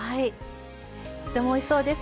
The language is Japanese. とってもおいしそうです。